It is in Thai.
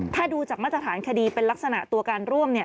ถ้าดูจากมาตรฐานคดีเป็นลักษณะตัวการร่วม